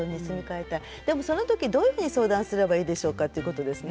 でもその時どういうふうに相談すればいいでしょうかっていうことですね。